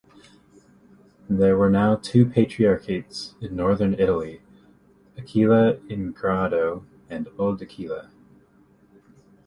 There were now two patriarchates in northern Italy, Aquileia in Grado and Old-Aquileia.